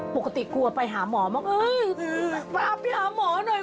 ปกติกูเอาไปหาหมอบอกเอ้ยมาไปหาหมอหน่อย